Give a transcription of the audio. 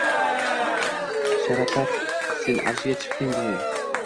Sharapat sen avjiga chiqding bugun!